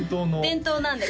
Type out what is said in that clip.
伝統なんです